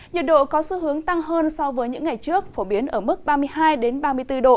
nhiệt độ có xu hướng tăng hơn so với những ngày trước phổ biến ở mức ba mươi hai ba mươi bốn độ